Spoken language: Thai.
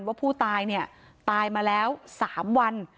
ว่าผู้ตายเนี่ยตายมาแล้ว๓วัน